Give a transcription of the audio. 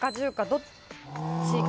どっちも。